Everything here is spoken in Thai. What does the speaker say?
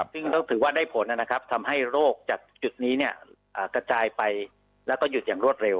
ซึ่งต้องถือว่าได้ผลนะครับทำให้โรคจากจุดนี้กระจายไปแล้วก็หยุดอย่างรวดเร็